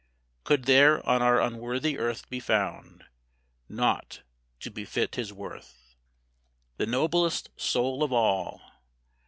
Could there on our unworthy earth be found Naught to befit his worth? The noblest soul of all!